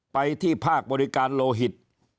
ไปที่ภาคบริการโลหิต